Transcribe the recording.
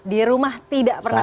di rumah tidak pernah